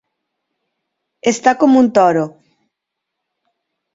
Estar com un toro.